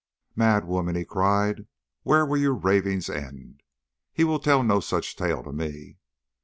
"Madwoman," he cried, "where will your ravings end? He will tell no such tale to me."